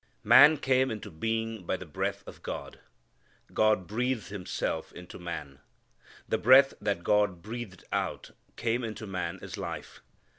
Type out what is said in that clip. Man came into being by the breath of God. God breathed Himself into man. The breath that God breathed out came into man as life.